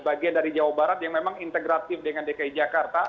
bagian dari jawa barat yang memang integratif dengan dki jakarta